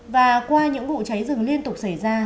và qua những vụ cháy rừng liên tục xảy ra